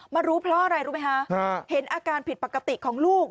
มารู้เพราะอะไรรู้ไหมคะเห็นอาการผิดปกติของลูก